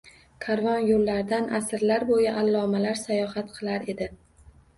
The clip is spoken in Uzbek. Karvon yoʻllaridan asrlar boʻyi allomalar sayohat qilar edi.